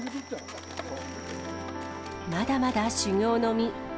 まだまだ修業の身。